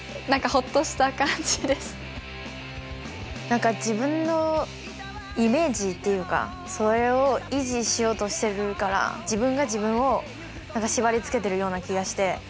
何か自分のイメージっていうかそれを維持しようとしているから自分が自分を縛りつけているような気がして。